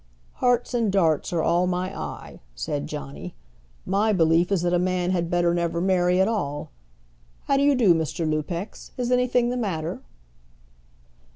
"Hearts and darts are all my eye," said Johnny. "My belief is that a man had better never marry at all. How d'you do, Mr. Lupex? Is anything the matter?"